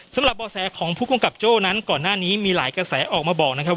สำหรับบ่อแสของผู้กำกับโจ้นั้นก่อนหน้านี้มีหลายกระแสออกมาบอกนะครับ